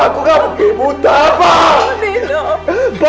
aku gak mungkin buta pa